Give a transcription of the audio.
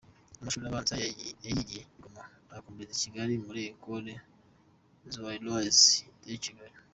Amashuri abanza yayigiye i Goma ayakomereza i Kigali kuri Ecole Zairoise de Kigali.